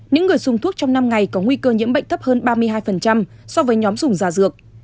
những người dùng thuốc trong năm ngày có nguy cơ nhiễm bệnh thấp hơn ba mươi hai so với nhóm dùng giả dược